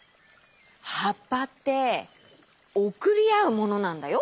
はっぱっておくりあうものなんだよ！